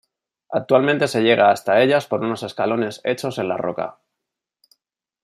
Actualmente se llega hasta ellas por unos escalones hechos en la roca.